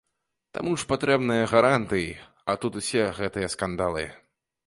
Таму ж патрэбныя гарантыі, а тут усе гэтыя скандалы.